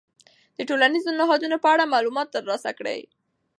د ټولنیزو نهادونو په اړه معلومات ترلاسه کړئ.